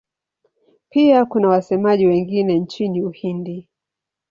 Pia kuna wasemaji wengine nchini Uhindi.